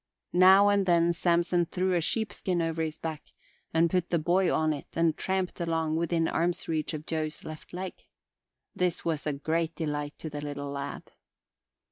Now and then Samson threw a sheepskin over his back and put the boy on it and tramped along within arm's reach of Joe's left leg. This was a great delight to the little lad.